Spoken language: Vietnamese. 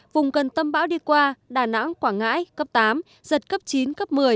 vùng gần tâm bão đi qua đà nẵng quảng ngãi cấp tám giật cấp chín cấp một mươi